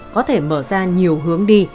có thể mở ra nhiều hướng đi